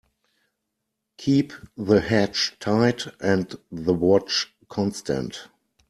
Keep the hatch tight and the watch constant.